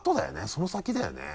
その先だよね。